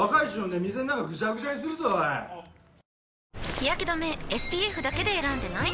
日やけ止めＳＰＦだけで選んでない？